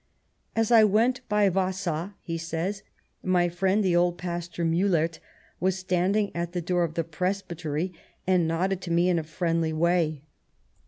"As I went by Wassaw," he says, " my friend, the old Pastor Mulert, was standing at the door of the Presbytery and nodded to me in a friendly way.